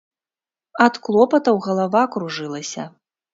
Ад клопатаў галава кружылася.